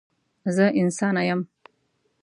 زه انسانه یم.